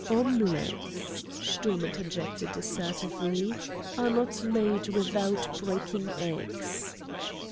"Omelettes," Sturm interjected, assertively, "are not made without breaking eggs."